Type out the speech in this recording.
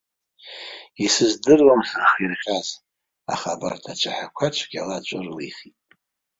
Исыздыруам сзыхирҟьаз, аха абарҭ ацәаҳәақәа цәгьала аҵәы рылихит.